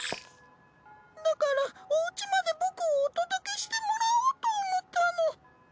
だからおうちまで僕をお届けしてもらおうと思ったの。